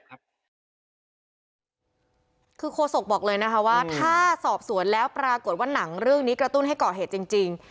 คือโฆษกบอกเลยนะคะว่าถ้าสอบสวนแล้วปรากฏว่าหนังเรื่องนี้กระตุ้นให้ก่อเหตุจริง